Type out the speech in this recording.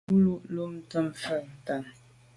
Boa bo lo bumte mfe ntàne.